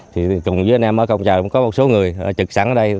thì cùng với anh em ở cổng rào cũng có một số người trực sẵn ở đây